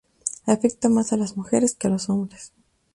Afecta más a las mujeres que a los hombres.